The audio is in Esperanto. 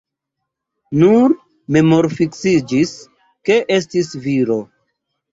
Nur memorfiksiĝis ke estis viro.